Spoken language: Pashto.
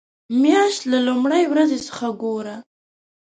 مياشت له لومړۍ ورځې څخه ګوره.